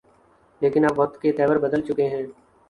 لیکن اب وقت کے تیور بدل چکے ہیں۔